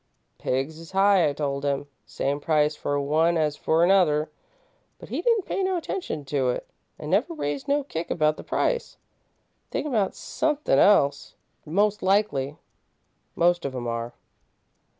'Pigs is high,' I told him, 'same price for one as for 'nother,' but he didn't pay no attention to it an' never raised no kick about the price. Thinkin' 'bout sunthin' else, most likely most of 'em are."